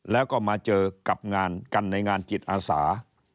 แล้วก็มาเจอกับงานกันในงานจิตอาสา